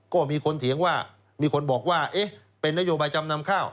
ก็มีคนเถียงว่ามีคนบอกว่าเอ๊ะเป็นนโยบายจำนำข้าว